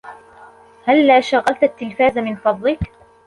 هلا شغلت التلفاز من فضلك؟